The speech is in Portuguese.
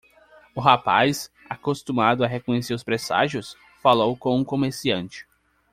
O rapaz? acostumado a reconhecer os presságios? falou com o comerciante.